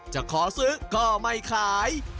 จะขอซื้อก็ไม่ขาย